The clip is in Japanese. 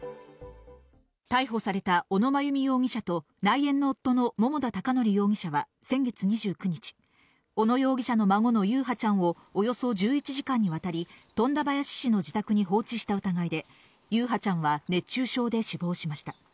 逮捕された小野真由美容疑者と内縁の夫の桃田貴徳容疑者は先月２９日、小野容疑者の孫の優陽ちゃんをおよそ１１時間にわたり富田林市の自宅に放置した疑いで優陽ちゃんは熱中症で死亡しました。